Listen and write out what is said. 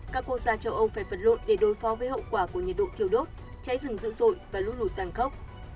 các quốc gia châu âu phải vật lộn để đối phó với hậu quả của nhiệt độ thiếu đốt cháy rừng dữ dội và lũ lụt tàn khốc